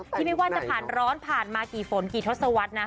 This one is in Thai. ที่ไม่ว่าจะผ่านร้อนผ่านมากี่ฝนกี่ทศวรรษนะ